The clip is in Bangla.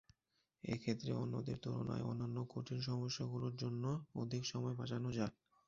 এক্ষেত্রে অন্যদের তুলনায় অন্যান্য কঠিন সমস্যাগুলোর জন্য অধিক সময় বাঁচানো যায়।